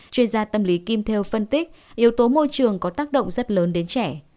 chuyên gia tâm lý kim theo phân tích yếu tố môi trường có tác động rất lớn đến trẻ